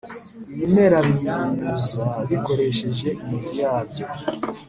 ibimera binyunyuza bikoresheje imizi yabyo.